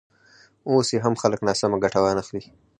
اوس یې هم خلک ناسمه ګټه وانخلي.